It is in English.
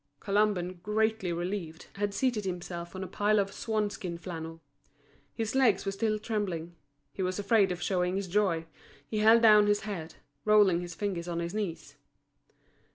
Colomban, greatly relieved, had seated himself on a pile of swan skin flannel. His legs were still trembling. He was afraid of showing his joy, he held down his head, rolling his fingers on his knees.